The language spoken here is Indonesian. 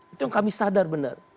itu yang kami sadar benar